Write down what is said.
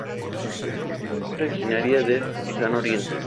Es originaria del Lejano Oriente.